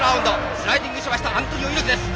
スライディングしましたアントニオ猪木です。